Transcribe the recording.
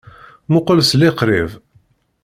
Muqqel s liqṛib!